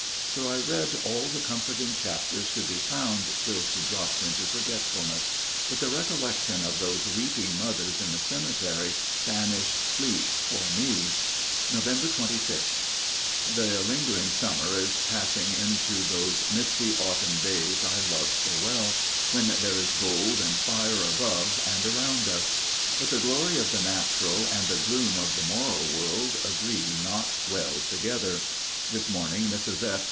So I read all the comforting chapters to be found till she dropped into forgetfulness, but the recollection of those weeping mothers in the cemetery banished sleep for me. Nov. 26. The lingering summer is passing into those misty autumn days I love so well, when there is gold and fire above and around us. But the glory of the natural and the gloom of the moral world agree not well together. This morning Mrs. F.